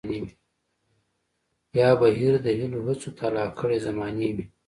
يا بهير د هيلو هڅو تالا کړے زمانې وي